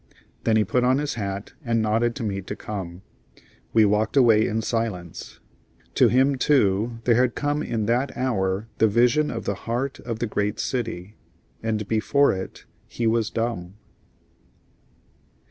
then he put on his hat and nodded to me to come. We walked away in silence. To him, too, there had come in that hour the vision of the heart of the great city; and before it he was dumb.